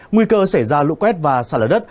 nguy cơ xảy ra lũ quét và sạt lở đất